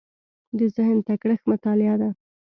د ذهن تکړښت مطالعه ده.